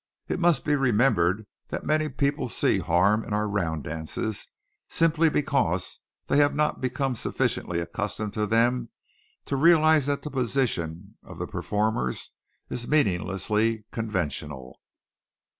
It must be remembered that many people see harm in our round dances simply because they have not become sufficiently accustomed to them to realize that the position of the performers is meaninglessly conventional.